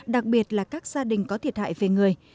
đặc biệt là các gia đình có thiệt hại về người